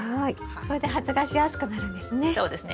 これで発芽しやすくなるんですね。